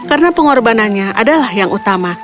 karena pengorbanannya adalah yang paling penting